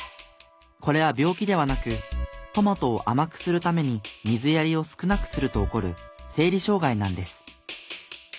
これは病気ではなくトマトを甘くするために水やりを少なくすると起こる生理障害なんです。